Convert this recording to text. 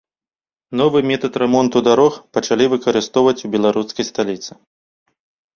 Новы метад рамонту дарог пачалі выкарыстоўваць у беларускай сталіцы.